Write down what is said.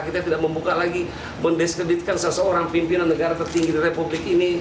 kita tidak membuka lagi mendiskreditkan seseorang pimpinan negara tertinggi di republik ini